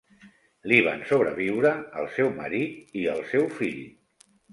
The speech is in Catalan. Li van sobreviure el seu marit i el seu fill.